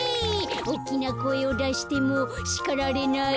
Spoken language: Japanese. おっきなこえをだしてもしかられない。